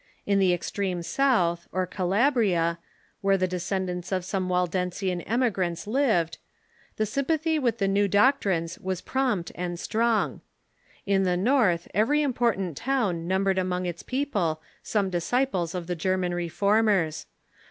In the extreme south, or Calabria, where the de scendants of some Waldensian emigrants lived, Spread of Protes ^j^ sympathy with the new doctrines was prompt tant Doctrines J i J i i and strong. In the north every important town numbered among its people some disciples of the German Re formers.